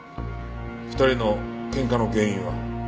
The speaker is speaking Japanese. ２人の喧嘩の原因は？